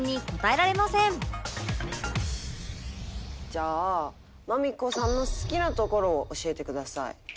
じゃあ麻美子さんの好きなところを教えてください。